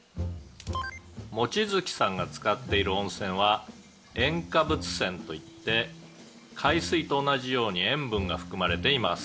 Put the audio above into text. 「望月さんが使っている温泉は塩化物泉といって海水と同じように塩分が含まれています」